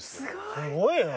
すごいよね。